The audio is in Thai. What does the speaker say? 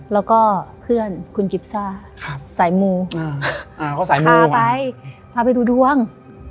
แล้วก็เพื่อนคุณกิฟซ่าสายมูเขาพาไปพาไปดูดวง